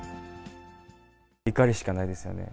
怒りしかないですよね。